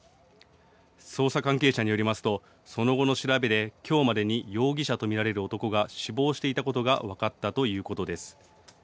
捜査関係者によりますとその後の調べできょうまでに容疑者と見られる男が死亡していたことが分かったということです。